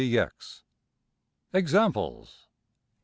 \Examples.